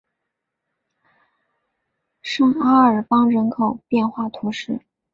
圣阿尔邦人口变化图示